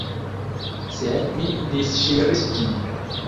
Sed mi disŝiris ĝin.